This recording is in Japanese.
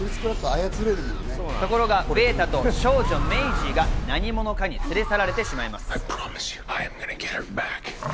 ところがベータと少女・メイジーが何者かに連れ去られてしまいます。